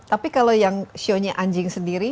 tapi kalau yang sionya anjing sendiri